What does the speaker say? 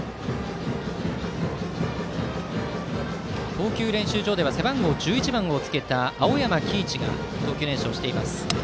投球練習場では背番号１１番をつけた青山輝市が投球練習をしています。